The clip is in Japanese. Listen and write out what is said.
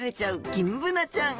ギンブナちゃん。